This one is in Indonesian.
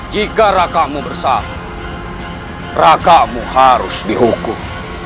jika rakamu bersalah rakamu harus dihukum